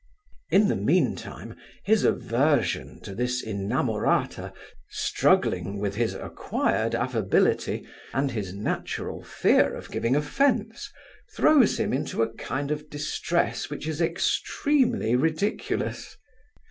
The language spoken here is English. In the mean time, his aversion to this inamorata struggling with his acquired affability, and his natural fear of giving offence, throws him into a kind of distress which is extremely ridiculous.